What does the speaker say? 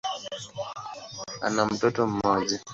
Ana mtoto mmoja.